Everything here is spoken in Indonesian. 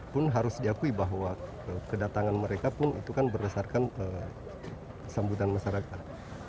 pun harus diakui bahwa kedatangan mereka pun itu kan berdasarkan sambutan masyarakat